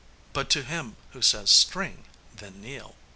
But to him who says "string," then kneel.